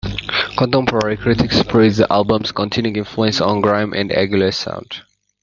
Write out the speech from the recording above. Contemporary critics praised the album's continuing influence on grime and ageless sound.